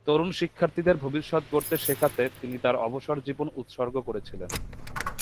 তরুণ শিক্ষার্থীদের ভবিষ্যত গড়তে শেখাতে তিনি তাঁর অবসর জীবন উৎসর্গ করেছিলেন।